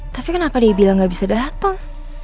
tapi kenapa dia bilang nggak bisa dateng